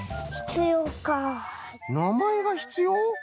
なまえがひつよう？